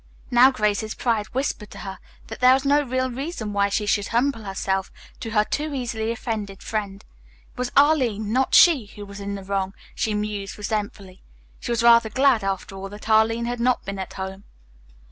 Now Grace's pride whispered to her that there was no real reason why she should humble herself to her too easily offended friend. It was Arline, not she, who was in the wrong, she mused resentfully. She was rather glad, after all, that Arline had not been at home.